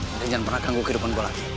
dan jangan pernah ganggu kehidupan gue lagi